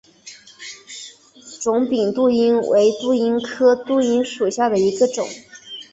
肿柄杜英为杜英科杜英属下的一个种。